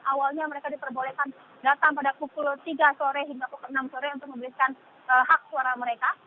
awalnya mereka diperbolehkan datang pada pukul tiga sore hingga pukul enam sore untuk membelikan hak suara mereka